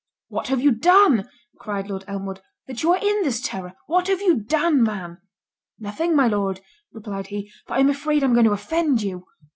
"What have you done," cried Lord Elmwood, "that you are in this terror? What have you done, man?" "Nothing, my Lord," replied he, "but I am afraid I am going to offend you."